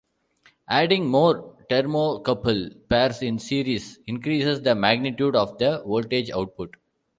Adding more thermocouple pairs in series increases the magnitude of the voltage output.